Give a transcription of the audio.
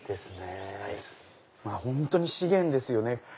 本当に資源ですよね。